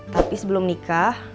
tapi sebelum nikah